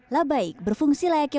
labbaik berfungsi layaknya